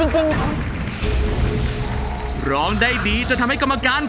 ช่วยฝังดินหรือกว่า